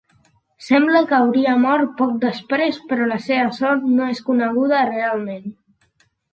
Sembla que hauria mort poc després però la seva sort no és coneguda realment.